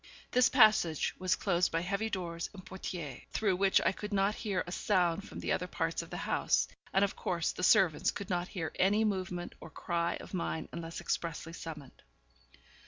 This passage was closed by heavy doors and portières, through which I could not hear a sound from the other parts of the house, and, of course, the servants could not hear any movement or cry of mine unless expressly summoned.